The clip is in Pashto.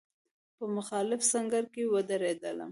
په مخالف سنګر کې ودرېدلم.